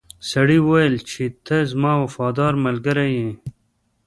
سړي وویل چې ته زما وفادار ملګری یې.